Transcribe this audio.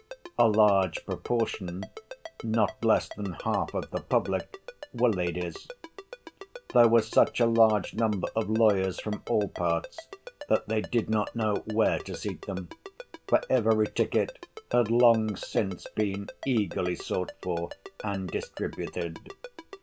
A large proportion—not less than half of the public—were ladies. There was such a large number of lawyers from all parts that they did not know where to seat them, for every ticket had long since been eagerly sought for and distributed.